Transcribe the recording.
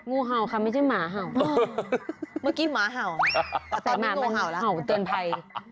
งูเห่าค่ะไม่ใช่หมาเห่าเมื่อกี้หมาเห่าแต่หมามาเห่าแล้วเห่าเตือนภัย